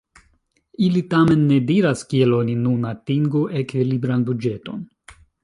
Ili tamen ne diras, kiel oni nun atingu ekvilibran buĝeton.